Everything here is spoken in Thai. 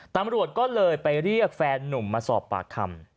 ตำรวจก็เลยไปเรียกแฟนนุ่มมาสอบปากคำ